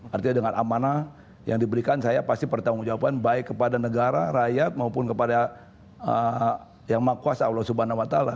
artinya dengan amanah yang diberikan saya pasti bertanggung jawaban baik kepada negara rakyat maupun kepada yang makuas allah subhanahu wa ta'ala